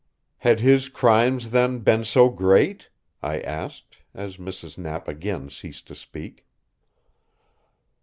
"Had his crimes then been so great?" I asked, as Mrs. Knapp again ceased to speak.